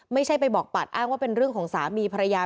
ไม่ใช่ไปบอกปัดอ้างว่าเป็นเรื่องของสามีภรรยา